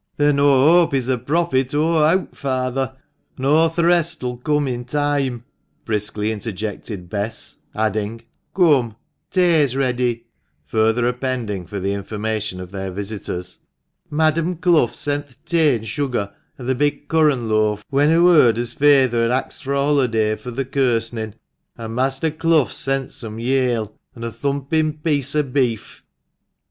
"Then aw hope he's a prophet o' eawt, feyther, an' o' th' rest'll come true in toime," briskly interjected Bess ; adding — "Coom, tay's ready;" further appending for the information of their visitors — "Madam Clough sent the tay an' sugar, an' th' big curran' loaf, when hoo heeard as feyther had axed for a holiday fur the kirsenin' ; an' Mester dough's sent some yale [ale], an' a thumpin' piece o' beef."